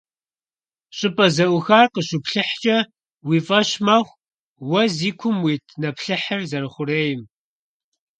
ЩӀыпӀэ зэӀухар къыщуплъыхькӀэ, уи фӀэщ мэхъу уэ зи кум уит нэплъыхьыр зэрыхъурейм.